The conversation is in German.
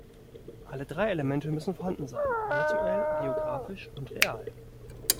Alle drei Elemente müssen vorhanden sein – virtuell, geografisch und real.